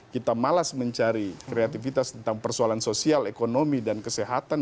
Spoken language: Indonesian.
kita malas mencari kreativitas tentang persoalan sosial ekonomi dan kesehatan